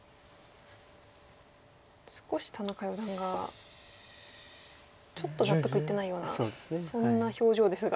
少し田中四段がちょっと納得いってないようなそんな表情ですが。